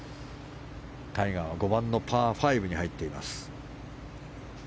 タイガーは５番のパー５に入っています。